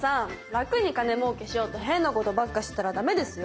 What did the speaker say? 楽に金もうけしようと変なことばっかしてたらダメですよ！